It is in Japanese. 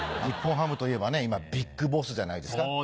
日本ハムといえば今ビッグボスじゃないですか？